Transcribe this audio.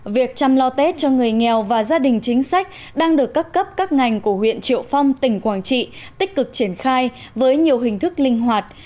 việc chăm lo tết cho người nghèo và gia đình chính sách đang được các cấp các ngành của huyện triệu phong tỉnh quảng trị tích cực triển khai với nhiều hình thức linh hoạt